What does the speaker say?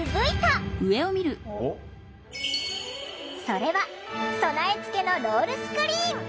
それは備え付けのロールスクリーン。